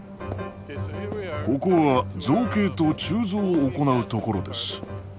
ここは造形と鋳造を行うところです。